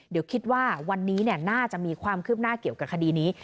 เดี๋ยวคิดว่าวันนี้น่าจะมีความคืบหน้าเกี่ยวกับคดีนี้